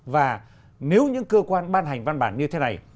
và nếu những cơ quan ban hành văn bản như thế này